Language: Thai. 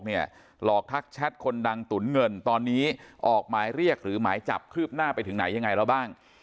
หลอกทักแชทคนดังตุ๋นเงินตอนนี้ออกหมายเรียกหรือหมายจับคืบหน้าไปถึงไหนยังไงแล้วบ้าง